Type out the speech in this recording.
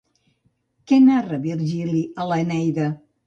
Què narra Virgili a l'Eneida?